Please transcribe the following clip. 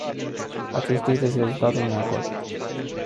Acest text este rezultatul unui acord.